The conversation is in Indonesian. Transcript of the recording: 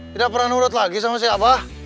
tidak pernah nurut lagi sama si abah